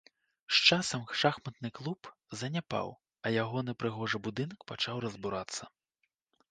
З часам шахматны клуб заняпаў, а ягоны прыгожы будынак пачаў разбурацца.